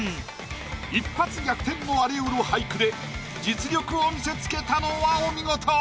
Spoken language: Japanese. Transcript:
一発逆転もありうる俳句で実力を見せつけたのはお見事！